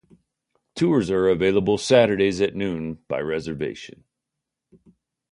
Tours are available Saturdays at noon by reservation.